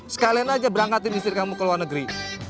sekalian aja berangkatin istri kamu ke luar negeri